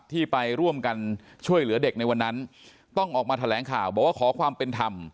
ที่ไปร่วมกันช่วยเหลือเด็กในวันนั้นต้องออกมาแถลงข่าวบอกว่าขอความเป็นธรรม